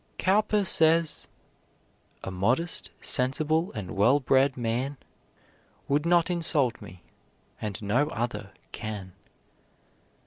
Cowper says: A modest, sensible, and well bred man Would not insult me, and no other can.